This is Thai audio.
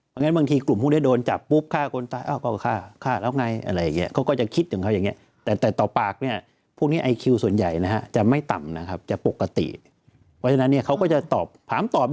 เพราะฉะนั้นบางทีกลุ่มพวกนี้โดนจับปุ๊บ